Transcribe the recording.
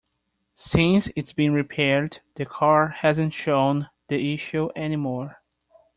Since it's been repaired, the car hasn't shown the issue any more.